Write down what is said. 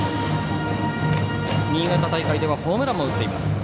新潟大会ではホームランも打っています。